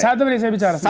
satu menit saya bicara